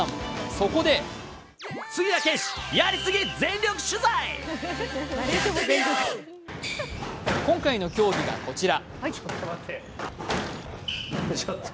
そこで今回の競技がこちら。